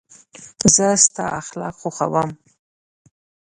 زه ستا اخلاق خوښوم.